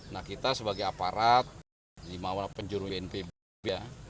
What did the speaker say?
nah kita sebagai aparat limauan penjuru bnpb ya